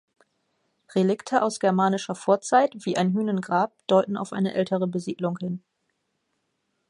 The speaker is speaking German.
Relikte aus germanischer Vorzeit, wie ein Hünengrab, deuten auf eine ältere Besiedlung hin.